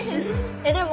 えっでも。